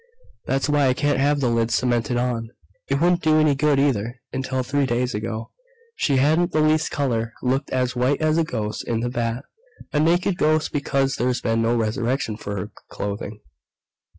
"That's why I can't have the lid cemented on. It wouldn't do any good, either! Until three days ago, she hadn't the least color, looked as white as a ghost in the vat. A naked ghost, because there's been no resurrection for her clothing....